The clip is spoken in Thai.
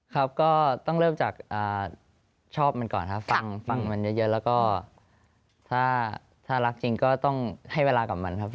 ครับก็ต้องเริ่มจากชอบมันก่อนครับฟังมันเยอะแล้วก็ถ้ารักจริงก็ต้องให้เวลากับมันครับ